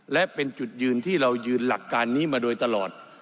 และเป็นจุดยืนที่เรายืนหลักการนี้มาโดยตลอด